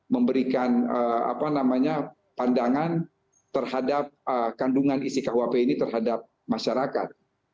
memberikan pandangan terhadap kandungan isi kuhp ini terhadap masyarakat